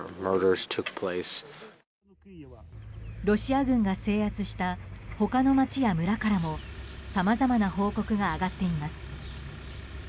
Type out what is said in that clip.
ロシア軍が制圧した他の町や村からもさまざまな報告が上がっています。